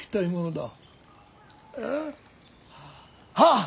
ああ。